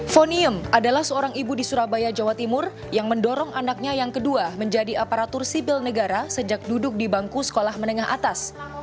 fonium adalah seorang ibu di surabaya jawa timur yang mendorong anaknya yang kedua menjadi aparatur sipil negara sejak duduk di bangku sekolah menengah atas